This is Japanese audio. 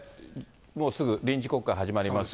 もうすぐ臨時国会始まります。